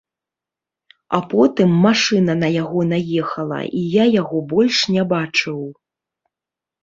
А потым машына на яго наехала і я яго больш не бачыў.